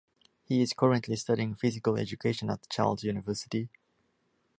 He is currently studying physical education at Charles University.